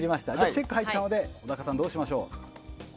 チェックが入ったので小高さん、どうしましょう。